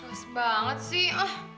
keras banget sih